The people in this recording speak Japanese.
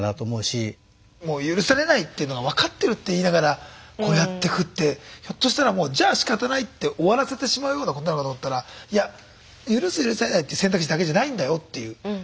もう許されないっていうのが分かってるって言いながらこうやってくってひょっとしたらもうじゃあしかたないって終わらせてしまうようなことなのかと思ったらいや許す許されないっていう選択肢だけじゃないんだよっていう。